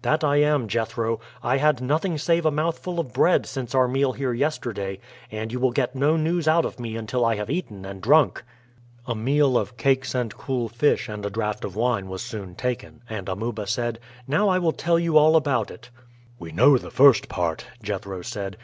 "That I am, Jethro. I had nothing save a mouthful of bread since our meal here yesterday; and you will get no news out of me until I have eaten and drunk." A meal of cakes and cool fish and a draught of wine was soon taken; and Amuba said, "Now I will tell you all about it." "We know the first part," Jethro said.